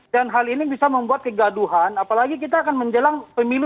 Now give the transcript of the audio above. dan hal ini bisa membuat kegaduhan apalagi kita akan menjelang pemilu dua ribu dua puluh empat